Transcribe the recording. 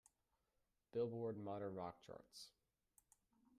Billboard Modern Rock charts.